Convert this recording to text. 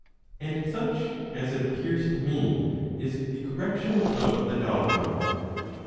And such, as it appears to me, is the correction 1 of the dogma.